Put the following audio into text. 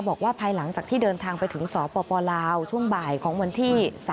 ภายหลังจากที่เดินทางไปถึงสปลาวช่วงบ่ายของวันที่๓